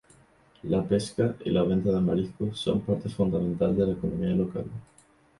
Las pesca y la venta de mariscos son parte fundamental de la economía local.